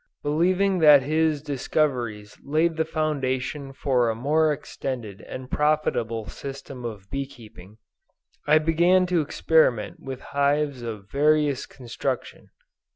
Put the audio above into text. Believing that his discoveries laid the foundation for a more extended and profitable system of bee keeping, I began to experiment with hives of various construction.